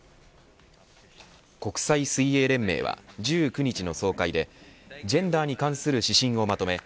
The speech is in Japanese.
国際水泳連盟は１９日の総会でジェンダーに関する指針をまとめ